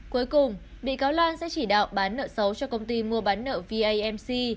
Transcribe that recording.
cuối cùng bị cáo lan sẽ chỉ đạo bán nợ xấu cho công ty mua bán nợ vamc